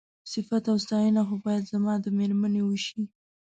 صيفت او ستاينه خو بايد زما د مېرمنې وشي.